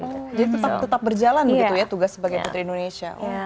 jadi tetap berjalan begitu ya tugas sebagai putri indonesia